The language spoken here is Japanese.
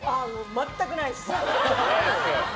全くないです。